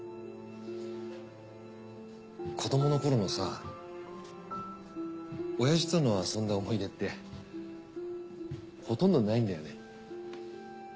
子どもの頃のさおやじとの遊んだ思い出ってほとんどないんだよね。